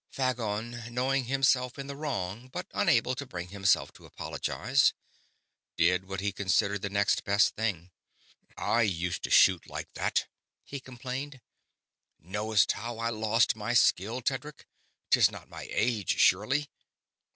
Phagon, knowing himself in the wrong but unable to bring himself to apologize, did what he considered the next best thing. "I used to shoot like that," he complained. "Knowst how lost I my skill, Tedric? 'Tis not my age, surely?"